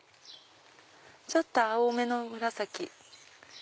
ちょっと青めの紫。